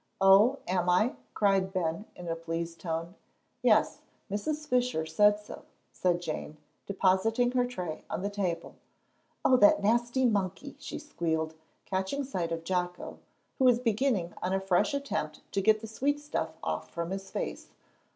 "Oh, am I?" cried Ben, in a pleased tone. "Yes, Mrs. Fisher said so," said Jane, depositing her tray on the table. "Oh, that nasty monkey!" she squealed, catching sight of Jocko, who was just beginning on a fresh attempt to get the sweet stuff off from his face.